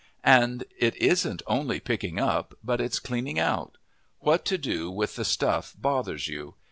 And it isn't only picking up, but it's cleaning out. What to do with the stuff bothers you.